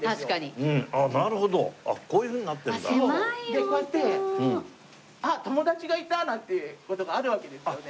でこうやって「あっ友達がいた！」なんて事があるわけですよね。